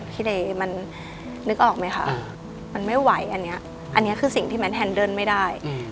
พิเรมันนึกออกไหมคะอืมมันไม่ไหวอันเนี้ยอันเนี้ยคือสิ่งที่แมทแฮนเดินไม่ได้อืม